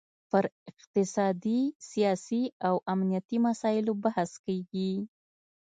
پر اقتصادي، سیاسي او امنیتي مسایلو بحث کیږي